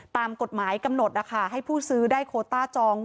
ตามกฎหมายกำหนดนะคะให้ผู้ซื้อได้โคต้าจอง